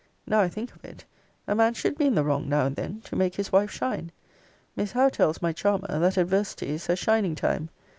Now I think of it, a man should be in the wrong now and then, to make his wife shine. Miss Howe tells my charmer, that adversity is her shining time.